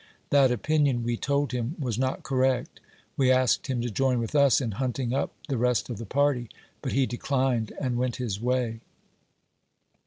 That opinion, we told him, was not correct. We asked him to join with us in hunting up the rest of the party, but he declined, and went his way.